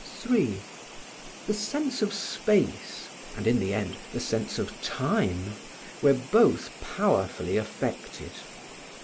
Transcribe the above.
3. The sense of space, and in the end the sense of time, were both powerfully affected.